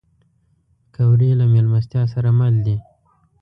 پکورې له میلمستیا سره مل دي